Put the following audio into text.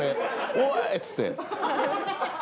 「おーい！」っつって。